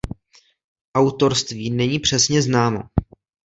Autorství není přesně známo.